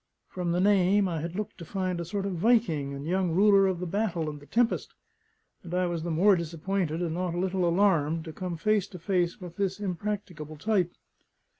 From the name, I had looked to find a sort of Viking and young ruler of the battle and the tempest; and I was the more disappointed, and not a little alarmed, to come face to face with this impracticable type.